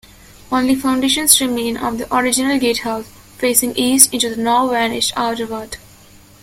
Only foundations remain of the original gatehouse, facing east into the now-vanished outer ward.